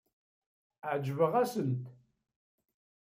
Ɛejbeɣ-asent.